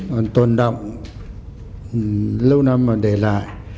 còn tồn động lâu năm mà để lại